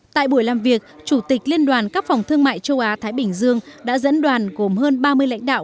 tại buổi làm việc chủ tịch liên đoàn các phòng thương mại châu á thái bình dương đã dẫn đoàn gồm hơn ba mươi lãnh đạo